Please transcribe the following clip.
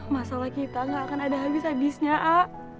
masalah kita gak akan ada habis habisnya aa